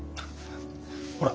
ほら。